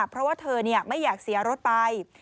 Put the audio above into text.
เพราะว่าเธอไม่อยากเสียรถไป